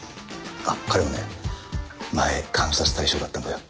あっ彼はね前監察対象だったんだよ。